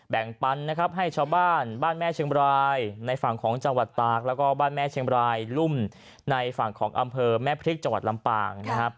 ปันนะครับให้ชาวบ้านบ้านแม่เชียงบรายในฝั่งของจังหวัดตากแล้วก็บ้านแม่เชียงบรายลุ่มในฝั่งของอำเภอแม่พริกจังหวัดลำปางนะครับ